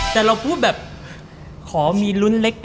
แต่เราพูดแบบขอมีลุ้นเล็ก